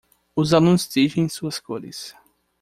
Os alunos tingem suas cores.